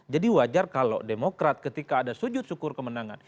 jadi wajar kalau demokrat ketika ada sujud syukur kemenangan